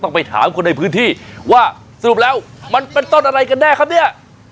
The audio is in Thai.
ไปถามคนในพื้นที่ว่าสรุปแล้วมันเป็นต้นอะไรกันแน่ครับเนี่ย